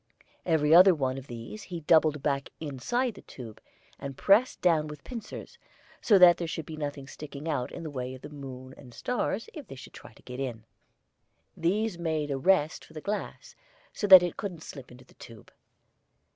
Every other one of these he doubled back inside the tube, and pressed down with pincers, so that there should be nothing sticking out in the way of the moon and stars if they should try to get in. These made a rest for the glass, so that it couldn't slip into the tube.